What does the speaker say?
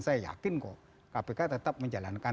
saya yakin kok kpk tetap menjalankan